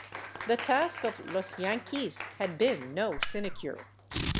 The task of " los yanquis " had been no sinecure.